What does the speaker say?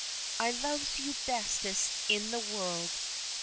"I loves you bestest in the world!"